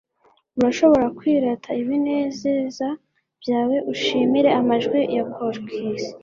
urashobora kwirata ibinezeza byawe, ushimire amajwi ya corks